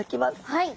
はい。